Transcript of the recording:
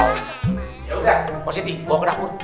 yaudah positi bawa ke dapur